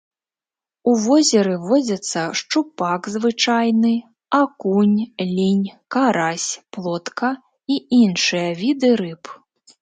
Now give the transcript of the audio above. У возеры водзяцца шчупак звычайны, акунь, лінь, карась, плотка і іншыя віды рыб.